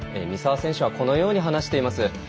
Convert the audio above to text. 三澤選手はこのように話しています。